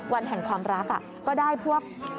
หรือความรักก็ได้พวก